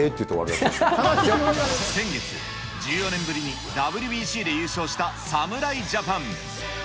先月、１４年ぶりにＷＢＣで優勝した侍ジャパン。